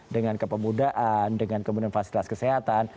dengan kepemudaan dengan kemudian fasilitas kesehatan